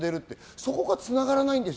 そこが繋がらないんです。